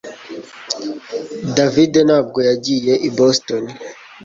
David ntabwo yagiye i Boston